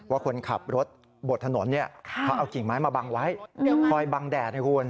ว่าคนขับรถบดถนนเนี่ยเขาเอากิ่งไม้มาบังไว้คอยบังแดดให้คุณ